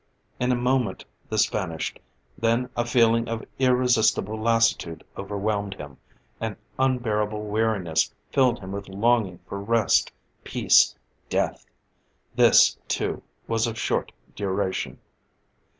In a moment this vanished. Then a feeling of irresistible lassitude overwhelmed him; an unbearable weariness filled him with longing for rest, peace death. This, too, was of short duration.